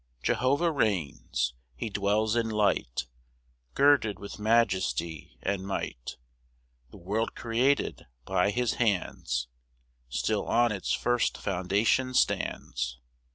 1 Jehovah reigns; he dwells in light, Girded with majesty and might: The world created by his hands Still on its first foundation stands.